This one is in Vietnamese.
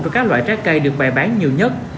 của các loại trái cây được bài bán nhiều nhất